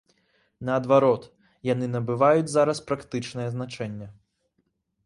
Наадварот, яны набываюць зараз практычнае значэнне.